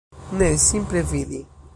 Ne, simple vidi.